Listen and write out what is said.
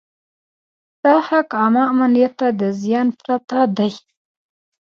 دا حق عامه امنیت ته د زیان پرته دی.